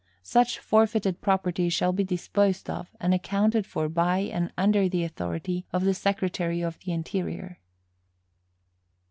Such forfeited property shall be disposed of and accounted for by and under the authority of the Secretary of the Interior.